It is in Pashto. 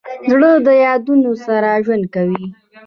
زړه د یادونو سره ژوند کوي.